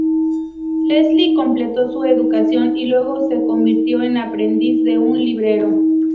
Leslie completó su educación y luego se convirtió en aprendiz de un librero.